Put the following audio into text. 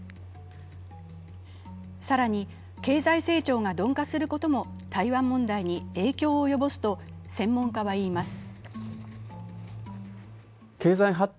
更に、経済成長が鈍化することも台湾問題に影響を及ぼすと専門家は言います。